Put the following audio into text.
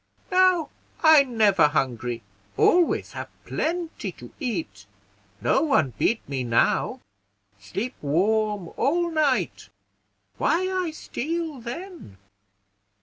Now, I never hungry, always have plenty to eat; no one beat me now; sleep warm all night. Why I steal, then?